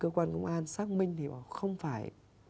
cơ quan công an xác minh thì không phải